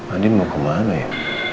andien mau kemana ya